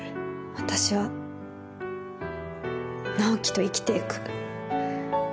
私は直木と生きていく。